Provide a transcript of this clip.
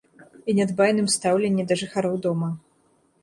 І нядбайным стаўленні да жыхароў дома.